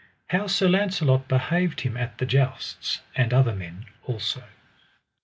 How Sir Launcelot behaved him at the jousts, and other men also.